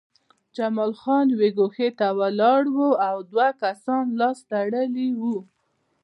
جمال خان یوې ګوښې ته ولاړ و او دوه کسان لاس تړلي وو